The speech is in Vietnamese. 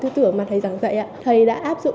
tư tưởng mà thầy giảng dạy thầy đã áp dụng